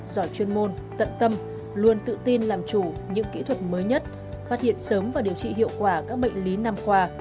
giỏi chuyên môn tận tâm luôn tự tin làm chủ những kỹ thuật mới nhất phát hiện sớm và điều trị hiệu quả các bệnh lý nam khoa